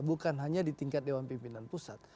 bukan hanya di tingkat dewan pimpinan pusat